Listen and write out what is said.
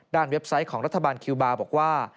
เว็บไซต์ของรัฐบาลคิวบาร์บอกว่า